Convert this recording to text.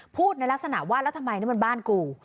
พูดในลักษณะว่าแล้วทำไมนี่มันบ้านกู